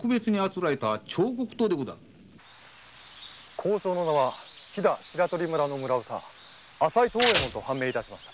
工匠の名は飛白鳥村の朝井藤右衛門と判明致しました。